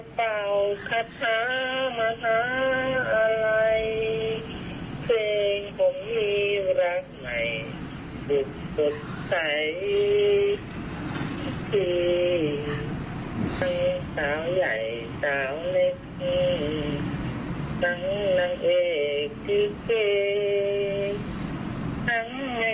คุณหมอเมื่อคืนน่ะคุณพยาบาลเมื่อคืนน่ะ